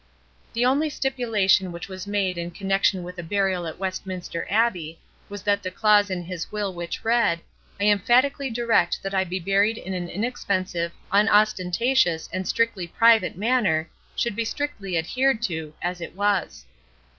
The only stipulation which was made in connection with the burial at Westminster Abbey was that the clause in his will which read: "I emphatically direct that I be buried in an inexpensive, unostentatious and and strictly private manner," should be strictly adhered to, as it was.